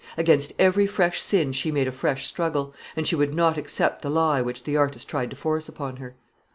Against every fresh sin she made a fresh struggle, and she would not accept the lie which the artist tried to force upon her.